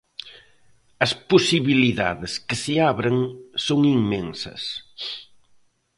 As posibilidades que se abren son inmensas.